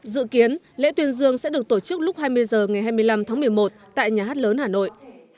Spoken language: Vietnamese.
dự kiến lễ tuyên dương sẽ được tổ chức lúc hai mươi h ngày hai mươi năm tháng một mươi một tại nhà hát lớn hà nội